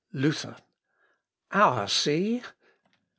Luther. "Our SEA!...